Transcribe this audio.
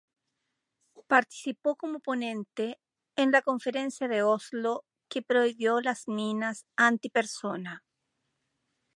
Participó como ponente en la Conferencia de Oslo que prohibió las minas antipersona.